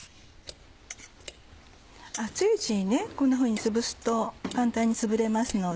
熱いうちにこんなふうにつぶすと簡単につぶれますので。